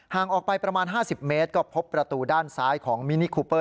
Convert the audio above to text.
ออกไปประมาณ๕๐เมตรก็พบประตูด้านซ้ายของมินิคูเปอร์